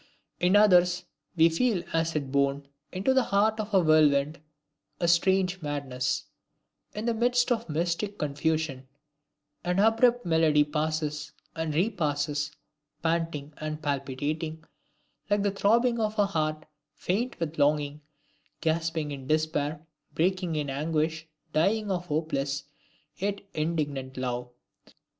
In others we feel as if borne into the heart of a whirlwind, a strange madness; in the midst of the mystic confusion, an abrupt melody passes and repasses, panting and palpitating, like the throbbing of a heart faint with longing, gasping in despair, breaking in anguish, dying of hopeless, yet indignant love.